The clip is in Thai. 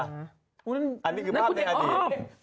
อันนี้คือภาพในอดีต